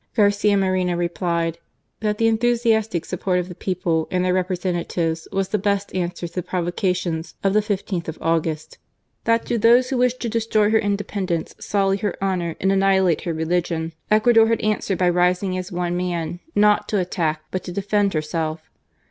Garcia Moreno replied :'* That the enthusiastic support of the people and their representatives, was the best answer to the provocation of the 15th of August. That to those who wished to destroy her independence, sully her honour, and annihilate her religion, Ecuador had answered by rising as one man, not to attack, but to defend herself.